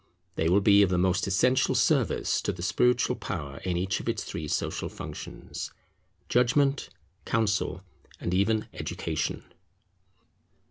They will be of the most essential service to the spiritual power in each of its three social functions, judgment, counsel, and even education.